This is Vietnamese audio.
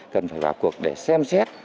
cần phải vào cuộc để xem xét